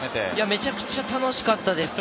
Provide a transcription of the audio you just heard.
めちゃくちゃ楽しかったです。